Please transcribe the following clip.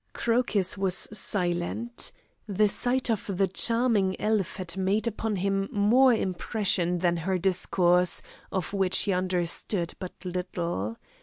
Crocus was silent. The sight of the charming elf had made upon him more impression than her discourse, of which he understood but little.